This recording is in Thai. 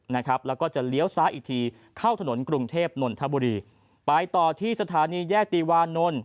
นะครับแล้วก็จะเลี้ยวซ้ายอีกทีเข้าถนนกรุงเทพนนทบุรีไปต่อที่สถานีแยกตีวานนท์